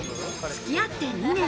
付き合って２年。